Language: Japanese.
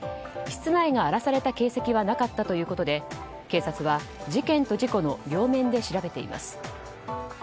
室内が荒らされた形跡はなかったということで警察は事件と事故の両面で調べています。